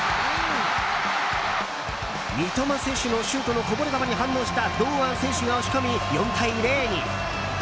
三笘選手のシュートのこぼれ球に反応した堂安選手が押し込み４対０に。